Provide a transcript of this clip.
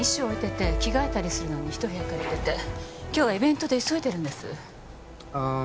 置いてて着替えたりするのに一部屋借りてて今日はイベントで急いでるんですあ